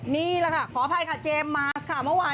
นี่ล่ะค่ะขออภัยค่ะเจมส์มา